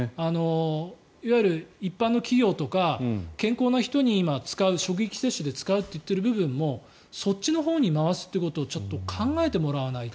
いわゆる一般の企業とか健康な人に今職域接種で使うといっている部分もそっちのほうに回すということを考えてもらわないと。